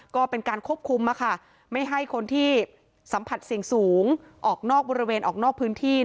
ก็เป็นการควบคุมไม่ให้คนที่สัมผัสเสี่ยงสูงออกนอกบริเวณออกนอกพื้นที่